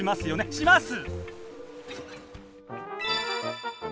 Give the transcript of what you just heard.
します！